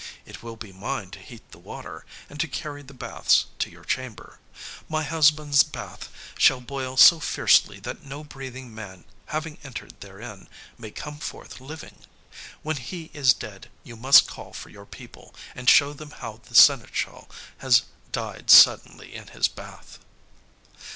It will be mine to heat the water, and to carry the baths to your chamber. My husband's bath shall boil so fiercely, that no breathing man, having entered therein, may come forth living. When he is dead you must call for your people, and show them how the seneschal has died suddenly in his bath."